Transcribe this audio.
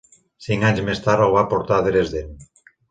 Cinc anys més tard el va portar a Dresden.